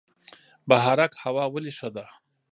بهارک هوا ولې ښه ده؟